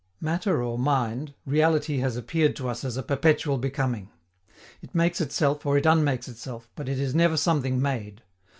Matter or mind, reality has appeared to us as a perpetual becoming. It makes itself or it unmakes itself, but it is never something made.